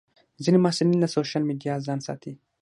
ځینې محصلین له سوشیل میډیا ځان ساتي.